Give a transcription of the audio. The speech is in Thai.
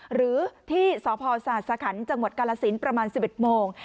หรือที่สพศสขันต์จังหวัดกาลสินประมาณ๑๑โมง